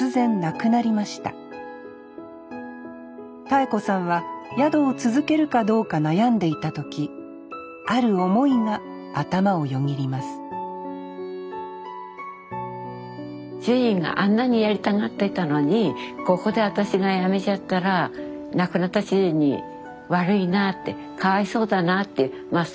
妙子さんは宿を続けるかどうか悩んでいた時ある思いが頭をよぎります主人があんなにやりたがっていたのにここで私がやめちゃったら亡くなった主人に悪いなってかわいそうだなっていうまあ